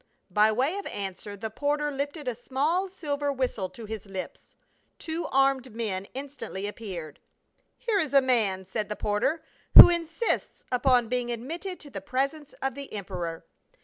By way of answer the porter lifted a small silver whistle to his lips. Two armed men instantly appeared. " Here is a man," said the porter, " who insists upon being admitted to the presence of the emperor."